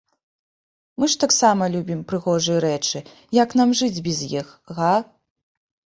Мы ж таксама любім прыгожыя рэчы, як нам жыць без іх, га?